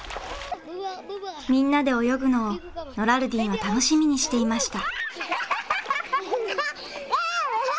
みんなで泳ぐのをノラルディンは楽しみにしていました。